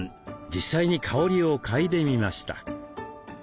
実際に香りを嗅いでみました。